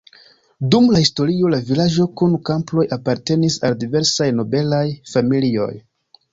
Dum la historio la vilaĝo kun kampoj apartenis al diversaj nobelaj familioj.